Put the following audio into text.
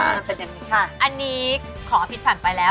อันนี้ขอพิกฎฝ่ายไปแล้ว